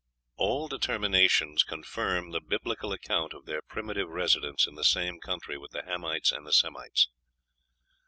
All determinations confirm the Biblical account of their primitive residence in the same country with the Hamites and Semites.